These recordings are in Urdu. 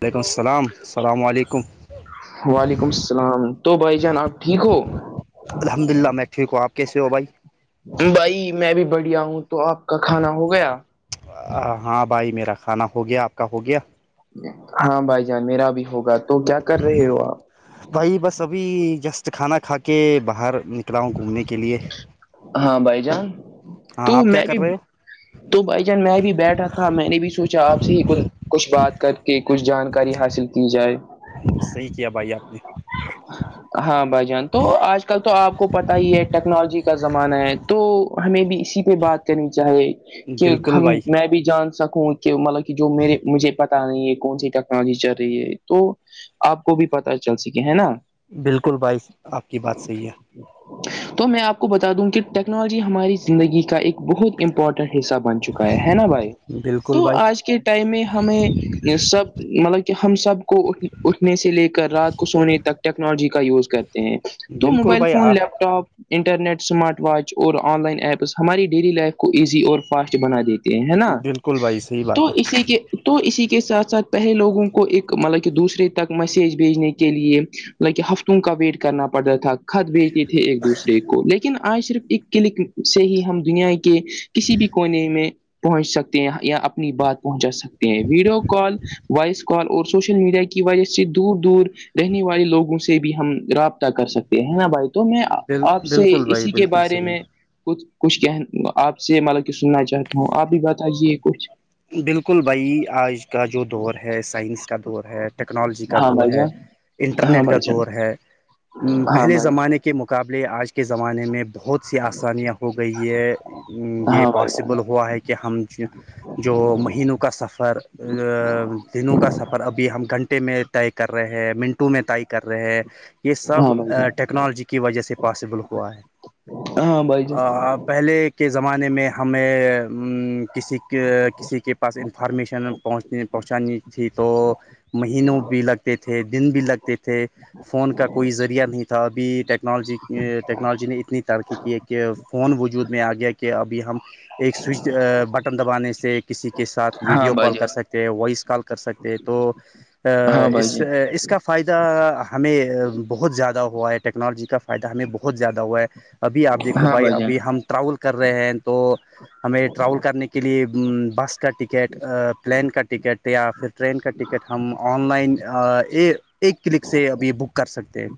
وعلیکم السلام السلام علیکم وعلیکم السلام تو بھائی جان آپ ٹھیک ہو الحمد للہ میں ٹیک ہوںپ کیسے ہو بھائی بھائی میں بھی بڑھیا ہوں تو آپ کا کھانا ہو گیا ہاں بھائی میرا کھانا ہو گیا آپ کا ہو گیا ہاں بھائی جان میرا بھی ہوگا تو کیا کر رہے ہو آپ بھائی بس ابھی جسٹ کھانا کھا کے باہر نکلا ہوں گھومنے کے لیے ہاں بھائی جان ہاں تو آپ کیا میں کر بھی رہے ہو تو بھائی جان میں بھی بیٹھا تھا میں نے بھی سوچا آپ سے ہی کچھ بات کر کے کچھ جانکاری حاصل کی جائے صحیح کیا بھائی آپ نے ہاں بھائی جان تو آج کل تو آپ کو پتا ہی ہے ٹیکنالوجی کا زمانہ ہے تو ہمیں بھی اسی پہ بات کرنی چاہیے نے کہ بالکل ہم بھائی میں بھی جان سکوں کہ مطلب کہ جو میرے مجھے پتا نہیں ہے کون سی ٹیکنالوجی چل رہی ہے تو آپ کو بھی پتا چل سکے ہے نا بالکل بھائی آپ کی بات صحیح ہے تو میں آپ کو بتا دوں کہ ٹیکنالوجی ہماری زندگی کا ایک بہت امپورٹنٹ حصہ بنے چکا ہے نا بھائی ہے بالکل تو بھائی آج کے ٹائم میں ہمیں سب مطلب کہ ہم سب کو اھ اٹھنے سے لے کر رات کو سونے تک ٹیکنالوجی کا یوز کرتے ہیں تو بالکل موبائل بھائی فون آ لیپٹاپ انٹرنیٹ اسمارٹ واچ اور آن لائن ایپس ہماری ڈیلی لائف کو ایزی اور فاسٹ بنا دیتی ہے نا بالکل بھائی صحیح تو بات ہے اسی کے تو اسی کے ساتھ ساتھ پہلے لوگوں کو ایک مطلب کہ دوسرے تک میسج بھیجنے کے لیے لکن ہفتوں کا ویٹ کرنا پڑتا تھا خط بیجتے تھے ایک دوسرے کو لیکن آج صرف ایک کلک سے ہی ہم دنیا کے کسی بھی کونے میں پہنچ سکتے ہیں یا اپنی بات پہنچا سکتے ہیں ویڈیو کال وائس کال اور سوشل میڈیا کی وجہ سے دور دور رہنے والے لوگوں سے بھی ہم رابطہ کر سکتے ہیں نا بھائی تو میں بال آپ سے بالکل بھائی اسی کے بالکل بارے میں صحیح کچھ کچھ کہ آپ سے مطلب کہ سننا چاہتا ہوں آپ بھی بتائیے کچھ بالکل بھائی آج کا جو دور ہے سائنس کا دور ہے ٹیکنالوجی کا ہاں دور بھائی ہے جان ہاں انٹرنیٹ کا بھائی جان دور ہے ہاں پہلے بھائی زمانے کے مقابلے آج کے زمانے میں بہت سی آسانیاں ہو گئی یہ یہ ہاں بھائی جان پاسبل ہوا ہے کہ ہم جو مہینوں کا سفر دنوں کا سفر ابھی ہم گھنٹے میں طائی کر رہے ہیں منٹو میں طائی کر رہے ہیں یہ سب ٹیکنالوجی کی وجہ سے پاسبل ہوا ہے ہاں بھائی جان آپ پہلے کے زمانے میں ہمیں کسی کسی کے پاس انفارمیشن پہنچ پہنچانی تھی تو مہینوں بھی لگتے تھے دن بھی لگتے تھے فون کا کوئی ذریعہ نہیں تھا ابھی ٹیکس ٹیکنالوجی ٹیکنالوجی نے اتنی ترقی کی ہے کہ فون وجود میں آ گیا کہ ابھی ہم ایک سوئچ بٹ ٹم دبانے سے کسی کے ساتھ ہاں ویڈیو بھائی کال کر جان سکتے ہیں وائس کال کر سکتے ہیں تو ہاں بھائی اس اس جان اس کا فائدہ ہمیں بہت زیادہ ہوا ہے ٹیکنالوجی کا فائدہ ہمیں بہت زیادہ ہوا ہے ابھی آپ دیکھو ہاں جان ہاں بھائی جان ابھی ہم ٹراول کر رہے ہیں تو ہمیں ٹراول کرنے کے کے لیے بس کا ٹکٹ پلین کا ٹکٹ یا پھر ٹرین کا ٹکٹ ہم آن لائن ایک کلک سے ابھی بک کر سکتے ہیں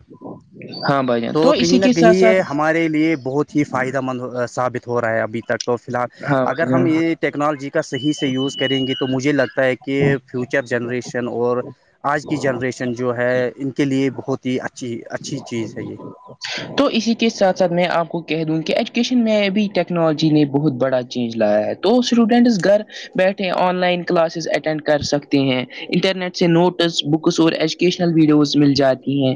ہاں بھائی جان تو کہیں اسی نہ کے کہیں ساتھ ساتھ یہ ہمارے لیے بہت ہی فائدہ مند ثابت ہو رہا ہے ابھی تک تو فی الحال ہاں اگر بھائی ہم جان یہ ٹیکنالوجی کا صحیح سے یوز کریں گے تو مجھے لگتا ہے کہ کہ فیوچر جنریشن اور آج کی جنریشن جو ہے ان کے لیے بہت ہی اچھی اچھی چیز ہے یہ تو اسی کے ساتھ ساتھ میں آپ کو کہہ دوں کہ ایجوکیشن میں ابھی ٹیکنالوجی نے بہت بڑا چینج لایا ہے تو اسٹوڈینٹس گھر بیٹھے آن لائن کلاسز اٹینڈ کر سکتے ہیں انٹرنیٹ سے نوٹس بکس اور ایچ ویڈیوز مل جاتی ہیں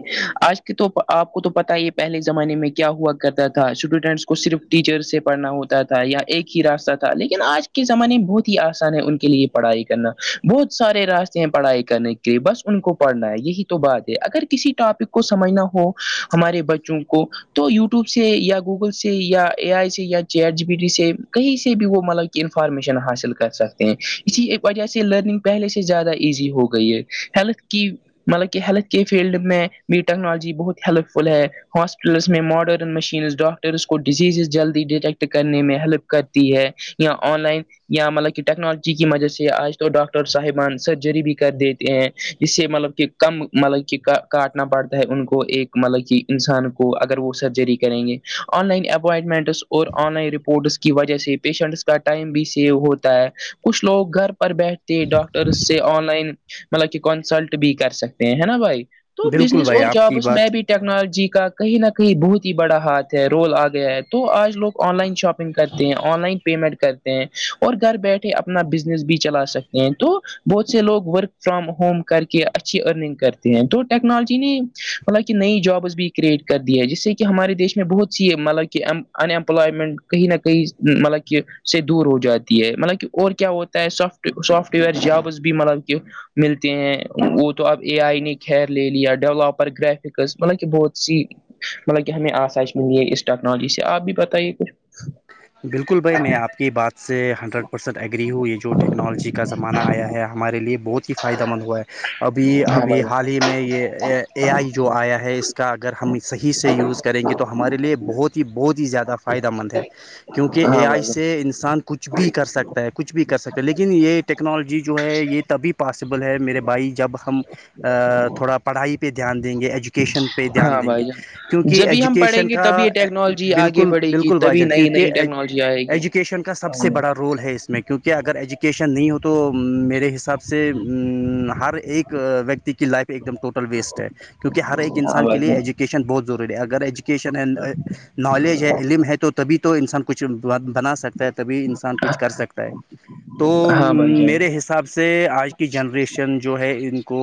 آج کے تو آپ کو تو پتا یہ پہلے زمانے میں کیا ہوا کرتا تھا اسٹوڈنٹس کو صرف ٹیچر سے پڑنا ہوتا تھا تھا یا ایک ہی راستہ تھا لیکن آج کے زمانے میں بہت ہی آسان ہے ان کے لیے پڑھائی کرنا بہت سارے راستے ہیں پڑھائی کرنے کے بس ان کو پڑھنا ہے یہی تو بات ہے اگر کسی ٹاپک کو سمجھنا ہو ہمارے بچوں کو تو یوٹیوب سے یا گوگل سے یا اے آئی سے یا چر جی بی ڈ سے کہیں سے بھی وہ مل انفارمیشن حاصل کر سکتے ہیں اسی وجہ سے لرننگ پہلے سے زیادہ ایزی ہو گئی ہے ہیلتھ کی مطلب کہ ہیلتھ کے فیلڈ میں بھی ٹیکنالوجی بہت ہیلپ فل ہے ہاسپٹلس میں ماڈرن مشینز ڈاکٹرس کو ڈیزیزز جلدی ڈیٹیکٹ کرنے میں ہیلپ کرتی ہے یا آن لائن یا مطلب کہ ٹیکنالوجی کی مدد سے آج تو ڈاکٹر صاحبان سرجری بھی کر دیتے ہیں جس سے مطلب کہ کم مطلب کہ کاٹنا پڑتا ہے ان کو ایک مطلب کہ انسان کو اگر وہ سرجری کریں گے آن لائن اپوائنٹمنٹس اور آن لائن رپورٹس کی وجہ سے پیشنٹس کا ٹائم بھی سیو ہوتا ہے کچھ لوگ گھر پر بیٹھ ڈاکٹر سے آن لائن مطلب کہ کنسلٹ بھی کر سکتے ہیں نا بھائی تو بالکل بزنس بھائی اور آپ کی جابس بات میں بھی ٹیکنالوجی کا کہیں نہ کہیں بہت ہی بڑا ہاتھ ہے رول آ گیا ہے تو آج لوگ آن لائن شاپنگ گ کرتے ہیں آن لائن پیمنٹ کرتے ہیں اور گھر بیٹھے اپنا بزنس بھی چلا سکتے ہیں تو بہت سے لوگ ورک فرام ہوم کر کے اچھی ارننگ کرتے ہیں تو ٹیکنالوجی نے مل نئی جابس بھی کریٹ کر دی ہے جس سے کہ ہمارے دیش میں بہت سی مطلب کہ ان امپلائمنٹ کہیں نہ کہیں مطلب کہ سے دور ہو جاتی ہے مطلب کہ اور کیا ہوتا ہے سافٹ سافٹ وئر جابز بھی مطلب کہ ملتے ہیں وہ تو اب اے آئی نے خیر لے لیا ڈیولپر گرف مطلب کہ بہت سی مطلب کہ ہمیں آسائش ملی ہے اس ٹیکنالوجی سے آپ بھی بتائیے کچھ بالکل بھائی میں آپ کی بات سے ہنڈریڈ پرسینٹ ایگری ہوں یہ جو ٹیکنالوجی کا زمانہ آیا ہے ہمارے لیے بہت ہی فائدہ مند ہوا ہے ابھی کچھ ہاں ابھی بھائی حال ہی میں یہ اے آئی جو آیا ہے اس کا اگر ہم صحیح سے یوز کریں گے تو ہمارے لیے بہت ہی بہت ہی زیادہ فائدہ مند ہے کیونکہ اے ہاں آئی بھائی سے انسان کے کچھ بھی کر سکتا ہے کچھ بھی کر سکتا لیکن یہ ٹیکنالوجی جو ہے یہ تبھی پاسبل ہے میرے بھائی جب ہم تھوڑا پڑھائی پہ دھیان دیں گے ایجوکیشن دھیان ہاں دیں گے بھائی جان کیونکہ جبھی ہم پڑھیں ایجوکیشن گے کا تبھی یہ ٹیکنالوجی آگے بالکل بڑھے گی بالکل بائی تبھی جان نئی کیونکہ نئی ٹیکنالوجی آئے گی ایجوکیشن کا سب سے بڑا ہاں رو رول ہے اس میں کیونکہ اگر ایجوکیشن نہیں ہو تو میرے حساب سے ہر ایک ویکتی کی لائف ایک دم ٹوٹل ویسٹ ہے کیونک ہر ایک ہاں انسان کے بھائی لیے جان ایجوک کی بہت ضی ہے اگر ایجوکیشن نج ہے علم ہےبھی تو انسان کچھ بنا سکتا ہے تبھی انسان کچھ کر سکتا ہے تو ہاں بھائی جان میرے حصے حساب سے آج کی جنریشن جو ہے ان کو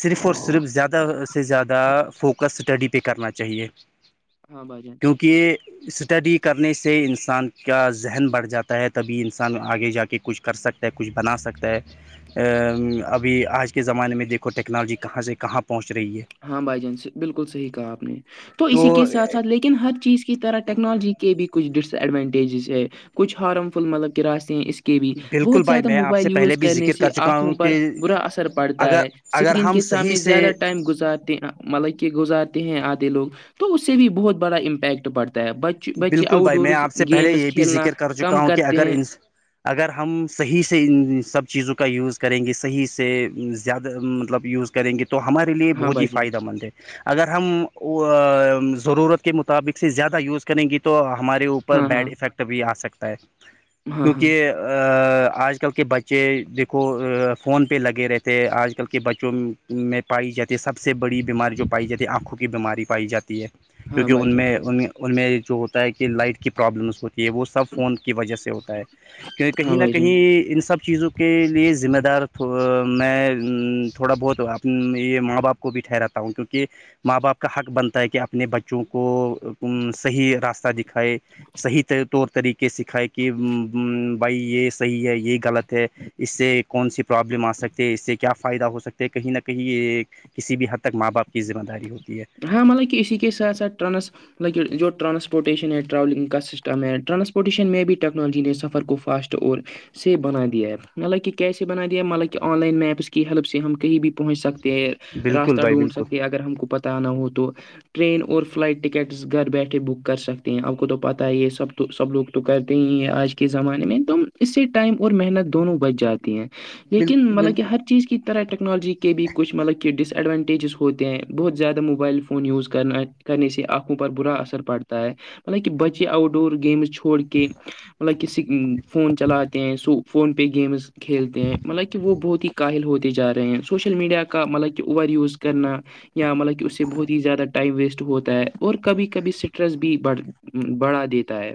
صرف اور صرف زیادہ سے زیادہ فوکس اسٹڈی پہ کرنا چاہیے ہاں بھائی جان کیونکہ یہ اسٹڈی کرنے سے انسان کا ذہن بڑھ جاتا ہے تبھی انسان آگے جا کے کچھ کر سک کچھ بنا سکتا ہے ابھی آج کے زمانے میں دیکھو ٹیکنالوجی کہاں سے کہاں پہنچ رہی ہے ہاں بھائی جان سے بالکل صحیح کہا آپ نے تو اسی کے ساتھ سھ لے لیکن ہر چیز کی طرح ٹیکنالوجی کے بھی کچھ ڈس ایڈوانٹیجز ہے کچ ہارم فل مطلب کراسیں ہیں اس کے کے بھی بالکل بہت بھائی زیادہ میں آپ سے موبائل پہلے یوز بھی کرنے ذکر سے کر چکا آنکھوں ہوں پر کہ برا اثر پڑتا اگر ہے اگر سکرین ہم کے صحیح سامنے زیادہ سے ٹائم گزر مطلب کہ گزارتے ہیں آتے لوگ تو اس سے بھی بہت بڑا امپیکٹ پڑتا ہے بچے بچے بالکل آؤٹ بھائی میں ڈورز آپ سے پہلے گیمز یہ بھی کھیلنا ذکر کر چکا کم ہوں کہ کرتے اگر ہیں ان اگر ہم صحیح سے سب چیزوں کا یوز کریں گے صحیح سے زیادہ مطلب یوز کریں گے تو ہمارے لیے ہاں بہت ہی بھائی جان فائدہ مند ہے اگر ہم ضرورت کے مطابق سے زیادہ یوز کر کریں گی تو ہمارے اوپر ہاں ہاں بیڈ افیکٹ بھی آ سکتا ہے ہاں ہاں کیونکہ آج کل کے بچے دیکھو فون پہ لگے رہتے آج کل کے بچوں میں پائی جاتی ہے سب سے بڑی بیماری جو پائی جاتی ہے آنکھوں کی بیماری پائی جاتی ہے ہاں کیونکہ بھائی ان میں جان ان میں جو ہوتا ہے کہ لائٹ کی پرابلمس ہوتی ہے وہ سب فون کی وجہ سے ہوتا ہے کہ ہاں کہیں نہ بھائی جان کہیں ان سب چیزوں کو کے لیے ذمہ دار میں تھوڑا بہت یہ ماں باپ کو بھی ٹھہراتا ہوں کیونکہ ماں باپ کا حق بنتا ہے کہ اپنے بچوں کو صحیح راستہ دکھائے صح ط طور طریقے سکھائے کہ بھائی یہ صحیح ہے یہ غلط ہے اس سے کون سی پرابلم آ سکتی ہے اس سے کیا فائدہ ہو سکتے ہے کہیں نہ کہیں یہ کسی بھی حد تک ماں باپ کی ذمہ داری ہوتی ہے ہاں مطلب کہ اسی کے ساتھ ساتھٹرانس لائکن جو ٹرانسپورٹیشن ہے ٹرولنگ کا سسٹم ہے ٹرانپورٹیشن میں بھی ٹیکنالوجی نے سفر کو فاسٹ اور سے بنا دیا ہے مطبہ کیسے بنا دیا ہے مطبک آن لائن میپس کی ہیلپ سے ہم کہیں بھی پہنچ سکتے ہیں بالکل راستہ بھائی ڈھونڈ بالکل سکتے ہیں اگر ہم کو پتہ نہ ہو تو ٹرین اور فلائٹ ٹکٹس گھر بیٹھے بک کر سکتے ہیں آپ کو تو پتہ ہے یہ سب تو سب لوگ تو کرتے ہی ہیں آج کے زمانے میں تو اس سے ٹائم اور محنت دونوں بچ جاتی ہیں بال لیکن مطلب کہ ہر چیز کی طرح ٹیکنالوجی کے بھی کھ مطلب کہ ڈس ایڈوانٹیجز ہوتے ہیں بہت زیادہ موبائل فون یوز کرنا کرنے سے آنکھوں پر برا اثر پڑتا ہے مطلب کہ بچے آؤٹ ڈور گیمز چھوڑ کے مطلب کہ فون چلاتے ہیں سو فون پے گیمز کھیلتے ہیں مطلب کہ وہ بہت ہی کااہل ہوتے جا رہے ہیں سوشل میڈیا کا مطلب کہ اوور یوز کرنا یا مطلب کہ اس سے بہت ہی زیادہ ٹائم ویسٹ ہوتا ہے اور کبھی کبھی اسٹریس بھی بڑ بڑھا دیتا ہے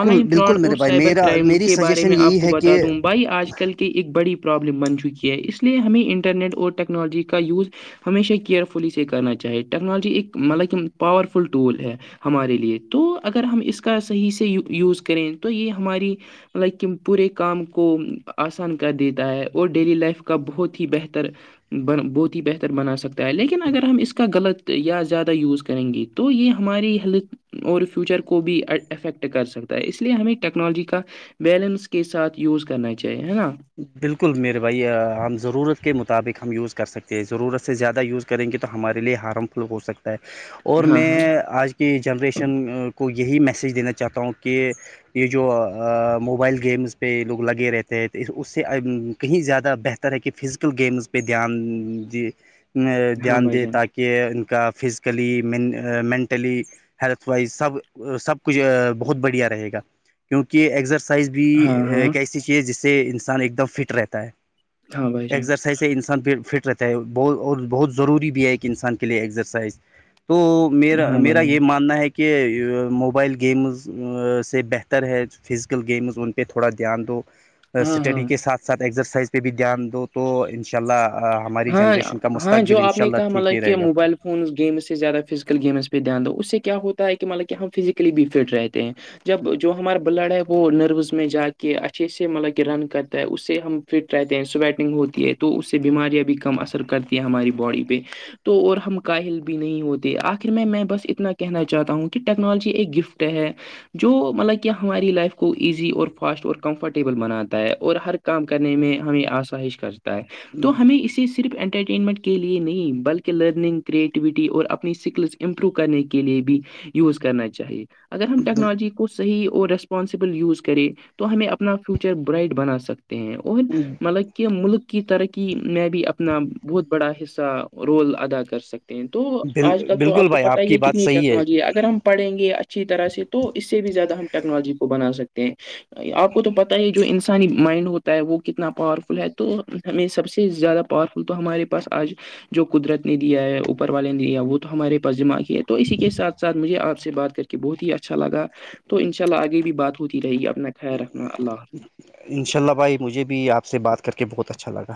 آن لائن بالکل فراڈ اور میرے بھائی سائبر میرا کرائم میری کے بارے سجیشن میں آپ یہی کو ہے بتا کہ دوں بھائی آج کل کل کی ایک بڑی پرابلم بن چکی ہے اس لیے ہمیں انٹرنیٹ اور ٹیکنالوجی کا یوز ہمیشہ کیئرفلی سے کرنا چاہیے ٹیکنالوجی ایک مطلب کہ پاورفل ٹول ہے ہمارے لیے تو اگر ہم اس کا صحیح سےو یوز کریں تو یہ ہماری مطلب کہ پورے کام کو آسان کر دیتا ہے اور ڈیلی لائف کا بہت ہی بہتر ب بہت ہی بہتر بنا سکتا ہے لیک لیکن اگر ہم اس کا غلط یا زیادہ یوز کریں گے تو یہ ہماری ہیلتھ اور فیوچر کو بھی افیکٹ کر سکتا ہے اس لیے ہمیں ٹیکنالوجی کا بیلنس کے ساتھ یوز کرنا چاہیے ہے نا بالکل میر بھائی ہم ضرورت کے مطابق ہم یوز کر سکتے ہیں ضرورت سے زیادہ یوز کریں گے تو ہمارے لیے ہارم فل ہو سکتا ہے اور ہاں میں ہاں آج کے کہ جنریشن کو یہی میسیج دینا چاہتا ہوں کہ یہ جو موبائل گیمس پہ یہ لوگ لگے رہتے ہیں اس سے کہیں زیادہ بہتر ہے کہ فزیکل گیمز پہ دھیان دی ہاں دھیان بھائی دے جان تاکہ ان کا فزیکلی مینٹلی ہیلتھ وائز سب سب کچھ بہت بڑھیا رہے گا کیونکہ ائز بھی ہاں ہاں ایک ایسی چیز جس سے انسان ایک دم فٹ رہتا ہے ہاں بھائی جان سائز سے انسان پھر فٹ رہتا ہے بہ اور بہت ضروری بھی ہے کہ انسان کے لیے ایگزرسائز تو میرا ہاں بھائی میرا جان یہ ماننا ہے کہ کہ موبائل گیمز سے بہتر ہے فزیکل گیمز ان پہ تھوڑا دھیان دو ہاں اسٹڈی ہاں کے ساتھ سھ ایکسرسائز پہ بھی دھیان دو تو ان شاء اللہ ہماری ہاں جنریشن کا مستقبل ان شاء اللہ ٹھیک ہی رہے گا فون گیمس سے زیادہ فزیکل گیمز پہ دھیان دو اس سے کیا ہوتا ہے کہ مطلب کہ ہم فیزیکلی بھی فٹ رہتے ہیں ہیں جب جو ہمارا بلڑا ہے وہ وہ نروس میں جا کے اچھے سے مطلب کہ رن کرتا ہے اس سے ہم فٹ رہتے ہیں سویٹنگ ہوتی ہے تو اس سے بیماریاں بھی کم اثر کرتی ہیں ہماری باڈی پہ تو اور ہم کاہل بھی نہیں ہوتے آخر میں میں بس اتنا کہنا چاہتا ہوں کہ ٹیکنالوجی ایک گفٹ ہے جو مطلب کہ ہماری لائف کو ایزی اور فاسٹ اور کمفرٹیبل بناتا ہے اور ہر کام کرنے میں ہمیں آسائش کرتا ہے تو ہمیں اس صرف انٹرٹینمنٹ کے لئے نہیں بلکہ لرننگ کریٹیوٹی اور اپنی اسکلس امپروو کرنے کے لیے بھی یوز کرنا چاہیے اگر ہم ٹیکنالوجی کو صحیح اور ریسپانسبل یوز کریں تو ہمیں اپنا فیوچر برائٹ بنا سکتے اور مطلب کہ ملک کی ترقی میں بھی اپنا بہت بڑا حصہ رول ادا کر سکتے تو بل آج کل تو بالکل آپ کو بھائی پت ہی کی ہے بات کتنی صحیح ٹیکنالوجی ہے اگر ہم پڑیں گے اچھی طرح سے تو اس سے بھی زیادہ ہم ٹیکنالوجی کو بنا سکتے ہیں آپ کو تو پتا ہے جو انسانی مائنڈ ہوتا ہے وہ کتنا پاورفل ہے تو ہمیں سب سے زیادہ پاورفل تو ہمارے پاس آج جو قدرت نے دیا ہے اوپر والے نے دیا وہ تو ہمارے پاس دذماغی ہے تو اسی کے ساتھ ساتھ مجھے آپ سے بات کر کہ بہت ہی اچھا لگ تو ان شاء اللہ آگے بھی بات ہوتی رہے گی اپنا خیال رکھنا اللہ ان شاء اللہ بھائی مجھے بھی آپ سے بات کر کے بہت اچھا لگا